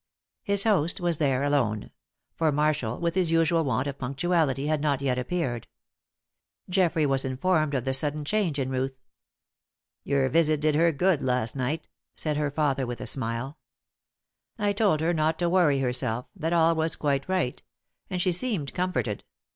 His host was there alone; for Marshall, with his usual want of punctuality, had not yet appeared. Geoffrey was informed of the sudden change in Ruth. "Your visit did her good last night," said her father with a smile. "I told her not to worry herself that all was quite right; and she seemed comforted.